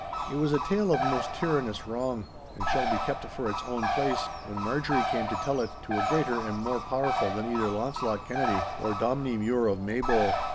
It was a tale of most tyrannous wrong, and shall be kept for its own place, when Marjorie came to tell it to a greater and more powerful than either Launcelot Kennedy or Dominie Mure of Maybole.